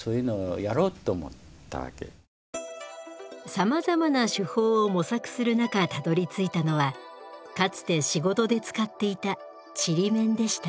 さまざまな手法を模索する中たどりついたのはかつて仕事で使っていた縮緬でした。